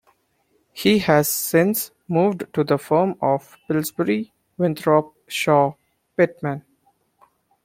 He has since moved to the firm of Pillsbury, Winthrop, Shaw, Pittman.